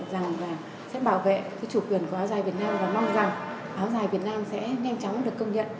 rằng là sẽ bảo vệ cái chủ quyền của áo dài việt nam và mong rằng áo dài việt nam sẽ nhanh chóng được công nhận